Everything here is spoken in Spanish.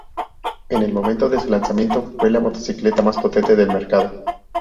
En el momento de su lanzamiento fue la motocicleta más potente del mercado.